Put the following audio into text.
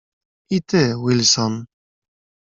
"I ty, Wilson."